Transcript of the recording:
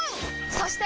そして！